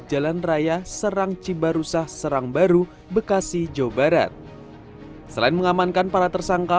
jalan raya serang cibarusah serang baru bekasi jawa barat selain mengamankan para tersangka